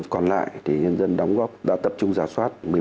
còn lại thì nhân dân đóng góp đã tập trung giả soát